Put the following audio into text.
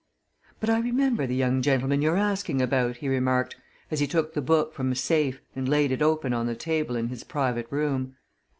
"But I remember the young gentleman you're asking about," he remarked, as he took the book from a safe and laid it open on the table in his private room.